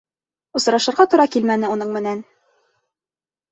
Осрашырға тура килмәне уның менән!